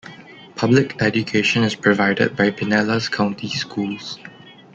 Public education is provided by Pinellas County Schools.